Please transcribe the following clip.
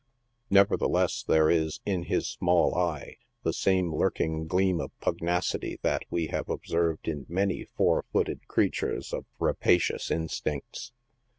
Nevertheless there is, in his small eye, the same lurking gleam of pugnacity that we have observed in many four footed creatures of rapacious instincts.